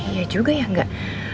iya juga ya nggak